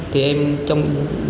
thì em trong